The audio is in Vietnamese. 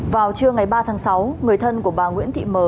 vào trưa ngày ba tháng sáu người thân của bà nguyễn thị mờ